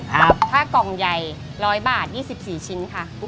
ถ้ากล่องใหญ่ร้อยบาทยี่สิบสี่ชิ้น